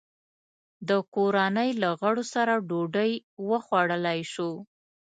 د کورنۍ له غړو سره ډوډۍ وخوړلای شو.